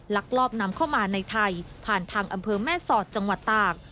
ลักลอบนำเข้ามาในไทยผ่านทางอำเภอแม่สอดจังหวัดตาก